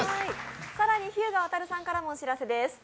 日向亘さんからもお知らせです。